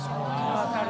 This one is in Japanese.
分かる。